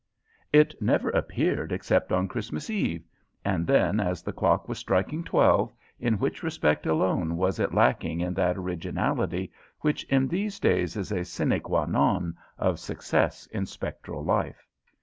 It never appeared except on Christmas Eve, and then as the clock was striking twelve, in which respect alone was it lacking in that originality which in these days is a sine qua non of success in spectral life.